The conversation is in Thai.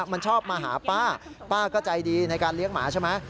มันชอบมาหาป้าป้าก็ใจดีในการเลี้ยงหมาใช่ไหม